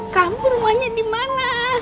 kamu rumahnya dimana